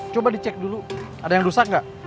coba dicek dulu ada yang rusak nggak